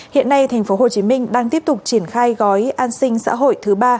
hiện nay tp hcm đang tiếp tục triển khai gói an sinh xã hội thứ ba